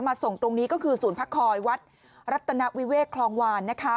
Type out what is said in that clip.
ส่งตรงนี้ก็คือศูนย์พักคอยวัดรัตนวิเวกคลองวานนะคะ